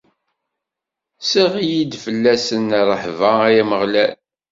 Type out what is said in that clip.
Sseɣli-d fell-asen rrehba, ay Ameɣlal!